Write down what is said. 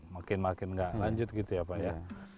makin makin nggak lanjut gitu ya pak ya